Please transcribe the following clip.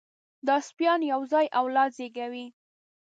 دا سپيان یو ځای اولاد زېږوي.